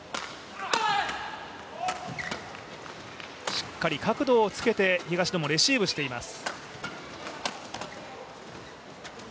しっかり角度をつけて東野もレシーブしています。